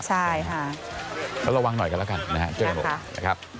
ใช่ค่ะเขาระวังหน่อยกันแล้วกันนะครับเจอเหมือนผมนะครับ